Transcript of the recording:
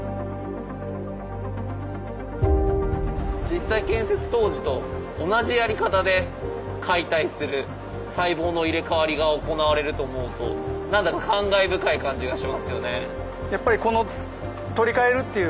実際建設当時と同じやり方で解体する細胞の入れ替わりが行われると思うとなんだか感慨深い感じがしますよね。